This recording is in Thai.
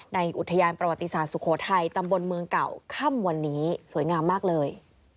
อุทยานประวัติศาสตร์สุโขทัยตำบลเมืองเก่าค่ำวันนี้สวยงามมากเลย